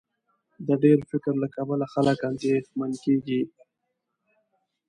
د ډېر فکر له کبله خلک اندېښمن کېږي.